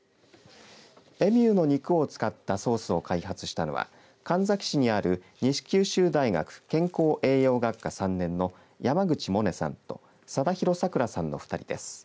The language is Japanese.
エミューの肉を使ったソースを開発したのは神埼市にある西九州大学健康栄養学科３年の山口萌弥さんと貞弘さくらさんの２人です。